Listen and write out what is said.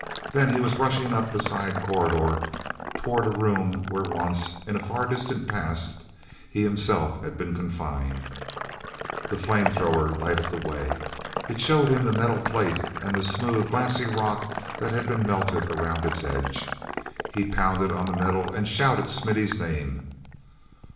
Then he was rushing up the side corridor toward a room where once, in a far distant past, he himself had been confined. The flame thrower lighted the way. It showed him the metal plate and the smooth, glassy rock that had been melted around its edge. He pounded on the metal and shouted Smithy's name.